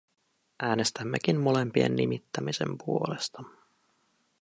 Äänestämmekin molempien nimittämisen puolesta.